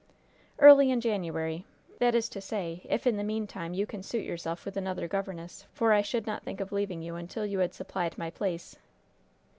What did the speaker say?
"Early in January. That is to say, if, in the meantime, you can suit yourself with another governess, for I should not think of leaving you until you had supplied my place."